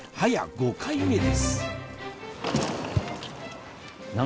５回目です